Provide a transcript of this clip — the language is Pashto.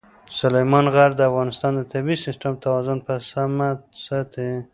سلیمان غر د افغانستان د طبعي سیسټم توازن په سمه ساتي.